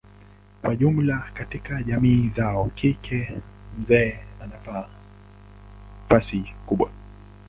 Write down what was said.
Kwa jumla katika jamii zao kike mzee ana nafasi kubwa.